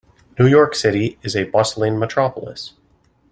New York City is a bustling metropolis.